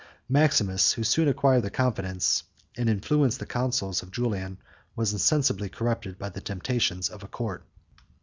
Maximus, 46 who soon acquired the confidence, and influenced the councils of Julian, was insensibly corrupted by the temptations of a court.